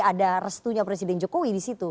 ada restunya presiden jokowi di situ